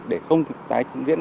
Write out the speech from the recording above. để không tái diễn